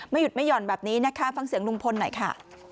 หยุดไม่หย่อนแบบนี้นะคะฟังเสียงลุงพลหน่อยค่ะ